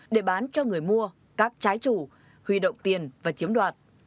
để bán cho người mua các trái chủ huy động tiền và chiếm đoạt